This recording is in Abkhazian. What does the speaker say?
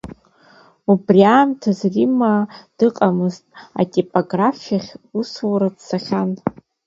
Убри аамҭаз Римма дыҟамызт, атипографиахь усура дцахьан.